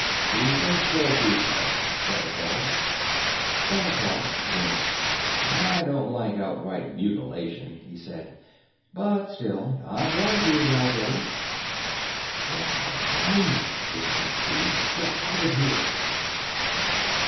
"He can still be hurt," said the guard. Bancroft winced. "I don't like outright mutilation," he said. "But still I've warned you, Dalgetty." "Get out, Simon," whispered Tighe. "_Get out of here.